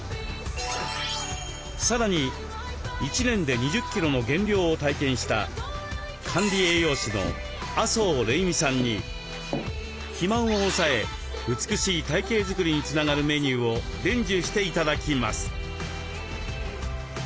さらに１年で２０キロの減量を体験した管理栄養士の麻生れいみさんに肥満を抑え美しい体形作りにつながるメニューを伝授して頂きます。